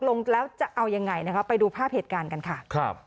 ลงแล้วจะเอายังไงนะคะไปดูภาพเหตุการณ์กันค่ะครับ